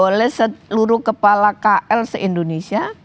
oleh seluruh kepala kl se indonesia